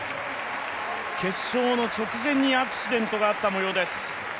決勝の直前にアクシデントがあったもようです。